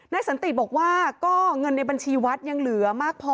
สันติบอกว่าก็เงินในบัญชีวัดยังเหลือมากพอ